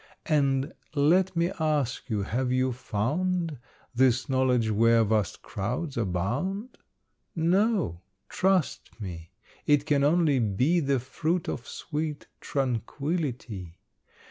And let me ask you, have you found This knowledge where vast crowds abound? No; trust me, it can only be The fruit of sweet tranquillity.